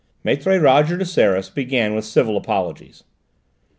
Maître Roger de Seras began with civil apologies.